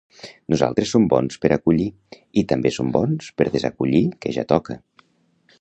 Nosaltres som bons per acollir i també som bons per desacollir que ja toca